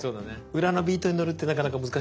裏のビートに乗るってなかなか難しいよね。